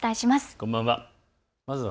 こんばんは。